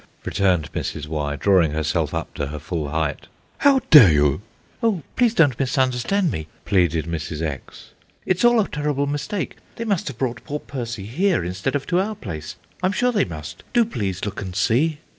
returned Mrs. Y., drawing herself up to her full height, "how dare you?" "Oh, please don't misunderstand me!" pleaded Mrs. X. "It's all a terrible mistake. They must have brought poor Percy here instead of to our place, I'm sure they must. Do please look and see."